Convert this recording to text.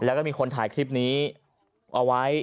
แล้วก็มีคนถ่ายคลิปนี้เอาไว้